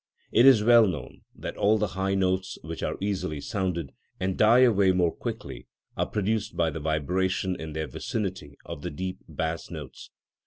It is well known that all the high notes which are easily sounded, and die away more quickly, are produced by the vibration in their vicinity of the deep bass notes.